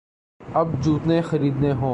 اب جوتے خریدنے ہوں۔